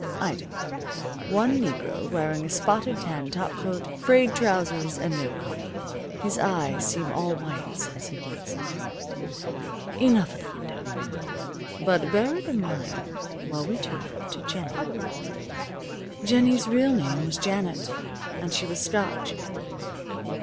Item: One negro wearing a spotted tan topcoat, frayed trousers and no collar. His eyes seem all whites as he gazes. Enough of the window. But bear it in mind while we turn to Jennie. Jennie's real name was Janet, and she was Scotch.